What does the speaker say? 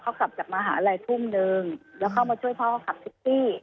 เขากลับจากมหาลัยทุ่มนึงแล้วเข้ามาช่วยพ่อเขาขับเซ็กซี่